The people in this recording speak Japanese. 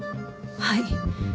はい。